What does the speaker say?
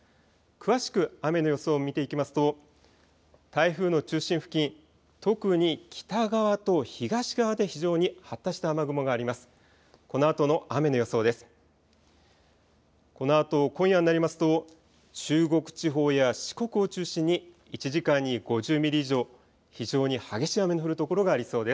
詳しく雨の予想を見ていきますと台風の中心付近、特に北側と東側で非常に発達した雨雲があります。